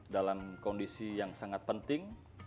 dalam kondisi yang sangat penting